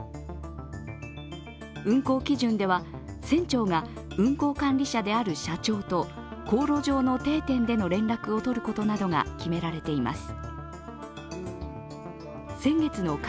運航基準では、船長が運航管理者である社長と航路上の定点での連絡を取ることなどが決められています。